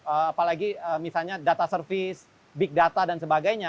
apalagi misalnya data service